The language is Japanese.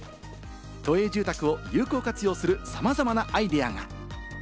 都営住宅を有効活用する、さまざまなアイデアが。